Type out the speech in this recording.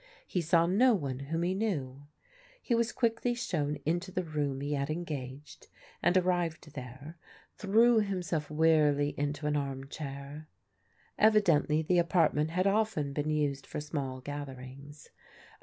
He saw no one whom he knew. He was quickly shown into tfie room he had en gaged, and arrived there, threw htmsdf wearily into an Evidently the apartment had been often small gatherings A.